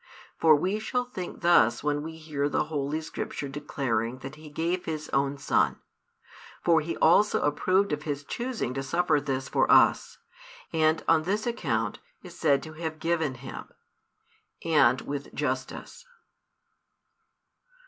For we shall think thus when we hear the Holy Scripture declaring that He gave His own Son. For He also approved of His choosing to suffer this for us; and, on this account, is said to have given Him: and with justice.